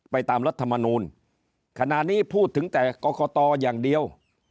ตามรัฐมนูลขณะนี้พูดถึงแต่กรกตอย่างเดียว